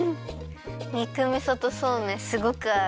肉みそとそうめんすごくあう。